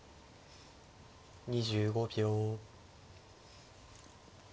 ２５秒。